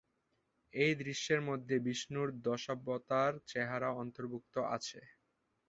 এই দৃশ্যের মধ্যে বিষ্ণুর দশাবতার-চেহারা অন্তর্ভুক্ত আছে।